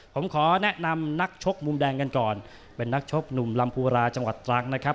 ผมขอแนะนำนักชกมุมแดงกันก่อนเป็นนักชกหนุ่มลำพูราจังหวัดตรังนะครับ